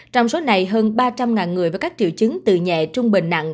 trong số này hơn ba trăm linh người với các triệu chứng từ nhẹ trung bình nặng